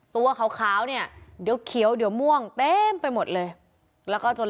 ตัวขาวเนี่ยเดี๋ยวเขียวเดี๋ยวม่วงเต็มไปหมดเลยแล้วก็จน